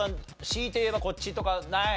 強いて言えばこっちとかない？